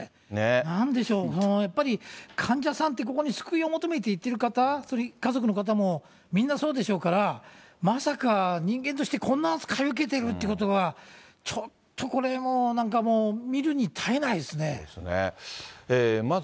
なんでしょう、やっぱり患者さんって、ここに救いを求めて行ってる方、それに家族の方も、みんなそうでしょうから、まさか人間としてこんな扱いを受けてるということは、ちょっとこれもう、なんかもう、そうですね。